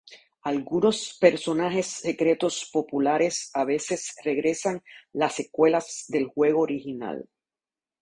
Algunos personajes secretos populares a veces regresan en las secuelas del juego original.